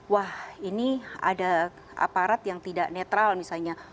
wah ini ada aparat yang tidak netral misalnya